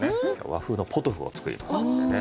和風のポトフを作りますんでね。